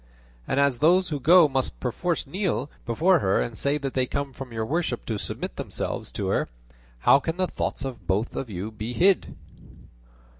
And as those who go must perforce kneel before her and say they come from your worship to submit themselves to her, how can the thoughts of both of you be hid?"